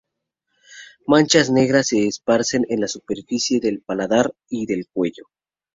Manchas negras se esparcen en la superficie del paladar y del cuello.